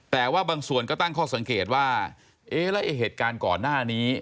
แต่ว่าบางส่วนก็ตั้งข้อสังเกตว่าเอ๊ะแล้วไอ้เหตุการณ์ก่อนหน้านี้